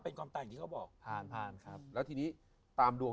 เป็นความตายอย่างที่เขาบอกผ่านผ่านครับแล้วทีนี้ตามดวง